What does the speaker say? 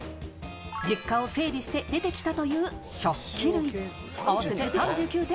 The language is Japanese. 実家を整理して出てきたという食器類、合わせて３９点。